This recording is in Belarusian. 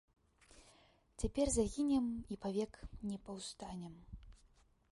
Цяпер загінем і павек не паўстанем.